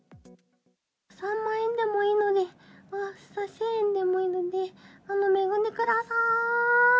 ３万円でもいいので１０００円でもいいので恵んでください！